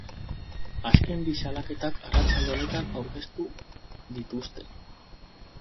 Azken bi salaketak arratsalde honetan aurkeztu dituzte.